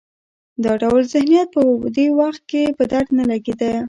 دا ډول ذهنیت په دې وخت کې په درد نه لګېده.